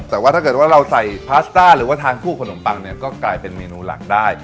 แต่ว่าถ้าเราใส่พาสต้าหรือว่าทางคู่ขนมปังก็กลายเป็นเมนูหลักได้